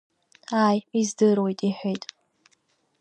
Ааи, издыруеит, — иҳәеит.